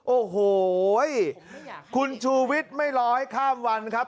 โอ้โหคุณชูวิทย์ไม่รอให้ข้ามวันครับ